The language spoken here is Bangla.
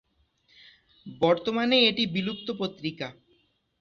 বর্তমানে এটি বিলুপ্ত পত্রিকা।